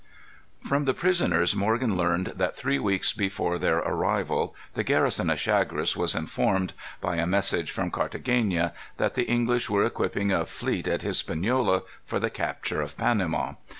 From the prisoners Morgan learned that three weeks before their arrival the garrison at Chagres was informed, by a message from Carthagena, that the English were equipping a fleet at Hispaniola for the capture of Panama.